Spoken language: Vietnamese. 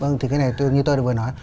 vâng thì cái này như tôi vừa nói